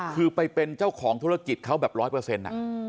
คือไปเป็นเจ้าของธุรกิจเขาแบบร้อยเปอร์เซ็นต์